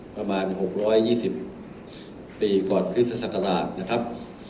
ประมาณหกร้อยยี่สิบปีก่อนพฤษฎราชนะครับ